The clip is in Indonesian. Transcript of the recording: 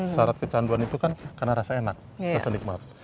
syarat kecanduan itu kan karena rasa enak rasa nikmat